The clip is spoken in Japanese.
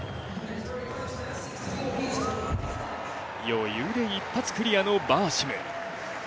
余裕で一発クリアのバーシム。